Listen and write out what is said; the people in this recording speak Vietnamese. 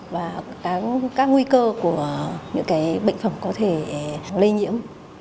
và các nguy cơ của những bệnh phẩm có thể lây nhiễm